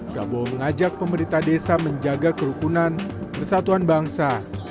prabowo mengajak pemerintah desa menjaga kerukunan persatuan bangsa